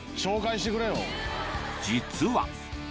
実は。